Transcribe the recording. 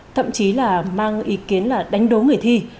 thậm chí là mang ý kiến là đánh đố người thi